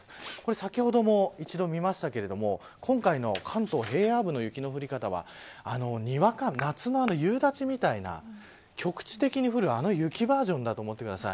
先ほども一度見ましたけれども今回の関東平野部の雪の降り方は夏の夕立みたいな局地的に降るあの雪バージョンだと思ってください。